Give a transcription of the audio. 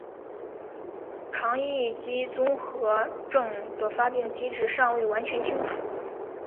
肠易激综合征的发病机制尚未完全清楚。